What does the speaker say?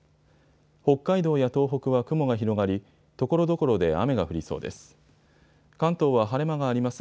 北海道や東北は雲が広がりところどころで雨が降りそうです。